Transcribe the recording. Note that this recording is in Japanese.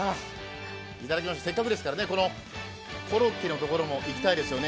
せっかくですからコロッケのところもいきたいですね。